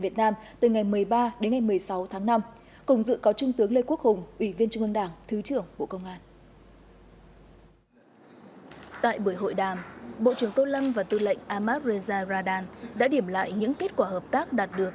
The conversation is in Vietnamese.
tại buổi hội đàm bộ trưởng tô lâm và tư lệnh ahmad reza radan đã điểm lại những kết quả hợp tác đạt được